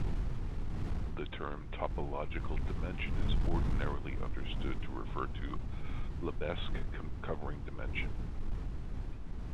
The term "topological dimension" is ordinarily understood to refer to Lebesgue covering dimension.